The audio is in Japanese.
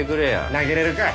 投げれるかい。